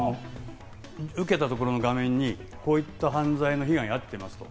受けたところの画面にこういった犯罪の被害に遭っていますと。